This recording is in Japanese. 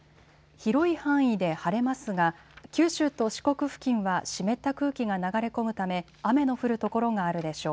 広い範囲で晴れますが九州と四国付近は湿った空気が流れ込むため雨の降る所があるでしょう。